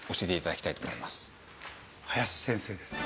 林先生です。